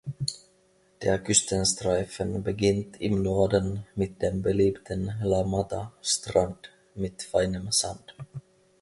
Der Küstenstreifen beginnt im Norden mit dem beliebten "La Mata"-Strand, mit feinem Sand.